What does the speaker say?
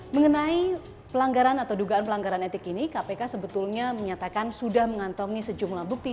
mengenai pelanggaran atau dugaan pelanggaran etik ini kpk sebetulnya menyatakan sudah mengantongi sejumlah bukti